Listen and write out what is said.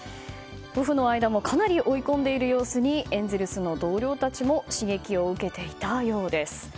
オフの間もかなり追い込んでいる様子にエンゼルスの同僚たちも刺激を受けていたようです。